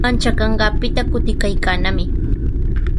Manchakanqaapita kutikaykaanami.